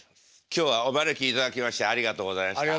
今日はお招きいただきましてありがとうございました。